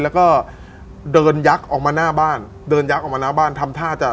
แล้วก็เดินยักษ์ออกมาหน้าบ้านเดินยักษ์ออกมาหน้าบ้านทำท่าจะ